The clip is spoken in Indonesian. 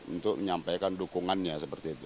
untuk menyampaikan dukungannya seperti itu